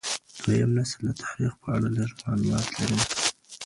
دویم نسل د تاریخ په اړه لږ معلومات لري.